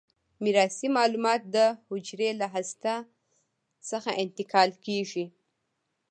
میراثي معلومات د حجره له هسته څخه انتقال کیږي.